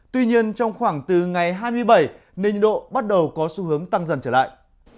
tuy nhiên trong khoảng từ ngày hai mươi bảy nền độ bắt đầu có xu hướng tăng dần trở lại